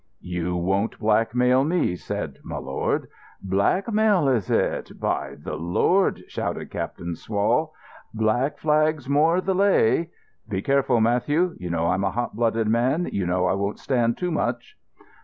"You won't blackmail me," said my lord. "Blackmail, is it? By the Lord," shouted Captain Swall, "Black Flag's more the lay." "Be careful, Matthew. You know I'm a hot blooded man. You know I won't stand too much."